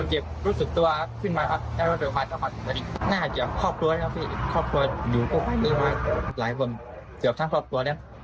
หรือว่าได้ช่วยเพื่อนหนึ่งคนในตรงนี้มีมีชีวิตออกต่อไป